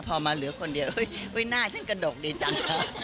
พอมาเหลือคนเดียวหน้าฉันกระดกดีจัง